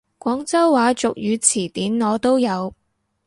廣州話俗語詞典我都有！